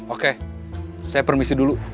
oke saya permisi dulu